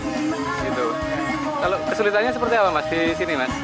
kesulitannya seperti apa mas